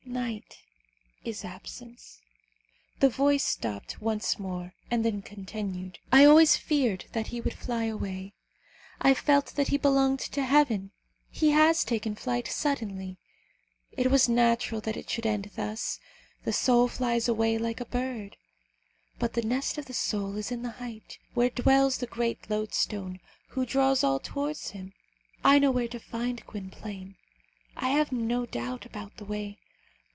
Night is absence." The voice stopped once more, and then continued, "I always feared that he would fly away. I felt that he belonged to heaven. He has taken flight suddenly. It was natural that it should end thus. The soul flies away like a bird. But the nest of the soul is in the height, where dwells the Great Loadstone, who draws all towards Him. I know where to find Gwynplaine. I have no doubt about the way.